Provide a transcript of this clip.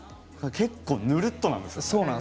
結構ね、ぬるっとなんですよね。